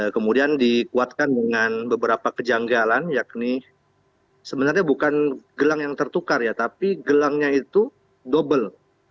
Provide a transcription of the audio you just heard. kemudian dikuatkan dengan beberapa kejanggalan yakni sebenarnya bukan gelang yang tertukar ya tapi gelangnya itu double